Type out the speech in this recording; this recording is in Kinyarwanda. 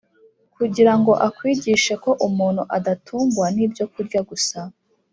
kugira ngo akwigishe ko umuntu adatungwa n’ibyokurya gusa,